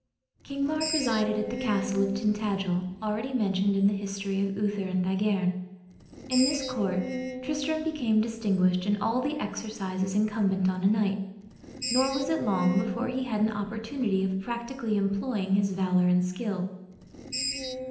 King Mark resided at the castle of Tintadel, already mentioned in the history of Uther and Igerne. In this court Tristram became distinguished in all the exercises incumbent on a knight; nor was it long before he had an opportunity of practically employing his valor and skill.